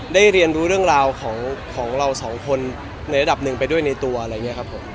เรียนรู้เรื่องราวของเราสองคนในระดับหนึ่งไปด้วยในตัวอะไรอย่างนี้ครับผม